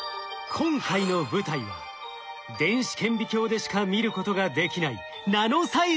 今回の舞台は電子顕微鏡でしか見ることができないナノサイズの世界。